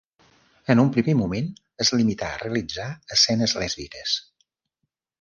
En un primer moment es limità a realitzar escenes lèsbiques.